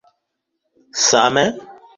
same